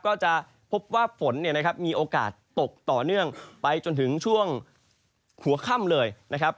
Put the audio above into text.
ก็จะพบว่าฝนเนี่ยนะครับมีโอกาสตกต่อเนื่องไปจนถึงช่วงหัวค่ำเลยนะครับ